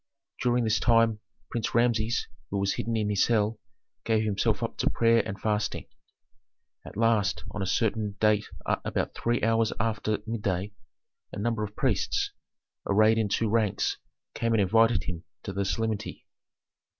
During this time Prince Rameses, who was hidden in his cell, gave himself up to prayer and fasting. At last on a certain date about three hours after midday a number of priests, arrayed in two ranks, came and invited him to the solemnity.